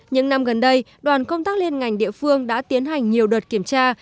những năm gần đây đoàn công tác liên ngành địa phương đã tiến hành nhiều đợt kiểm tra